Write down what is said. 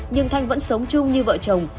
nhưng thành vẫn sống chung như vợ chồng